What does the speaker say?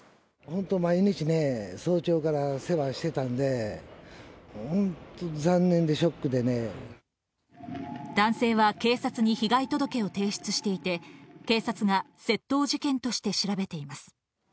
本当毎日ね、早朝から世話してたんで、男性は警察に被害届を提出していて、警察が窃盗事件として調べています。